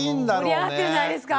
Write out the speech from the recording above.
盛り上がってるんじゃないですか？